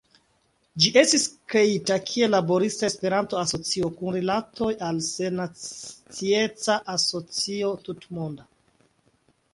Ĝi estis kreita kiel Laborista Esperanto-Asocio, kun rilatoj al Sennacieca Asocio Tutmonda.